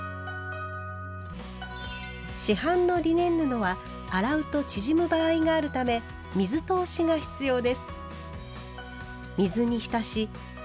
市販のリネン布は洗うと縮む場合があるため「水通し」が必要です。